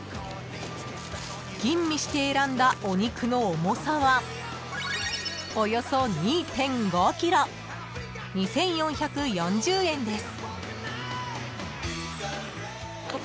［吟味して選んだお肉の重さはおよそ２．５ｋｇ２，４４０円です］